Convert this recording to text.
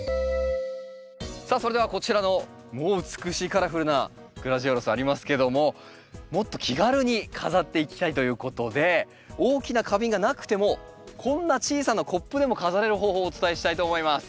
さあそれではこちらのもう美しいカラフルなグラジオラスありますけどももっと気軽に飾っていきたいということで大きな花瓶がなくてもこんな小さなコップでも飾れる方法をお伝えしたいと思います。